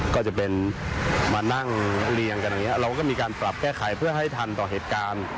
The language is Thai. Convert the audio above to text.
ก็จะเป็นมานั่งเรียงกันอย่างนี้เราก็มีการปรับแก้ไขเพื่อให้ทันต่อเหตุการณ์